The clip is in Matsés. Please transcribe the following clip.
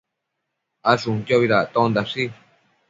Ashunquiobi dactondashi